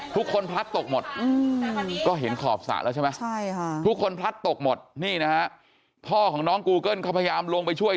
พลัดตกหมดก็เห็นขอบสระแล้วใช่ไหมทุกคนพลัดตกหมดนี่นะฮะพ่อของน้องกูเกิ้ลเขาพยายามลงไปช่วย